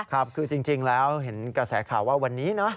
ครับคือจริงแล้วเห็นกระแสข่าวว่าวันนี้นะ